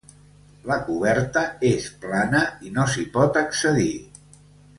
La coberta és plana i no s'hi pot accedir.